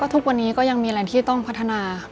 ทุกวันนี้ก็ยังมีอะไรที่ต้องพัฒนาไปอยู่เรื่อย